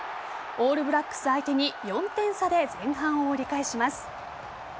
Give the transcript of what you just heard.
オールブラックス相手に４点差で前半を折り返します。